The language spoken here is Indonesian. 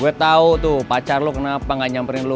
gue tau tuh pacar lu kenapa gak nyamperin dulu